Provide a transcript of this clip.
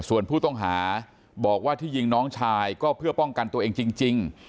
ส่วนผู้ต้องหาบอกว่าที่ยิงน้องชายก็เพื่อป้องกันตัวเองจริง